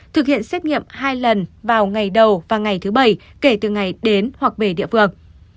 thực hiện xét nghiệm hai lần vào ngày đầu và ngày thứ bảy kể từ ngày đến hoặc về địa phương